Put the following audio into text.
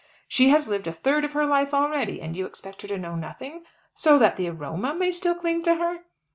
"She has lived a third of her life already, and you expect her to know nothing, so that the aroma may still cling to her.